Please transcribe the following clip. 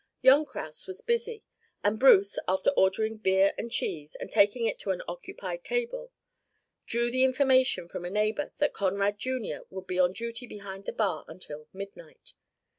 Young Kraus was busy; and Bruce, after ordering beer and cheese and taking it to an occupied table, drew the information from a neighbour that Conrad, Jr., would be on duty behind the bar until midnight.